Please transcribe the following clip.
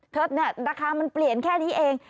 เนี่ยราคามันเปลี่ยนแค่นี้เอง